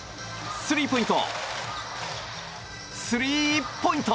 スリーポイント！